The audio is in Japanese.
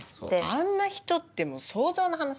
「あんな人」って想像の話だからね。